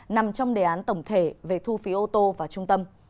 nằm trong đề án tổng thể về thu phí ô tô vào trung tâm